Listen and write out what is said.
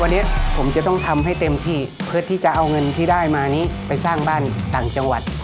วันนี้ผมจะต้องทำให้เต็มที่เพื่อที่จะเอาเงินที่ได้มานี้ไปสร้างบ้านต่างจังหวัด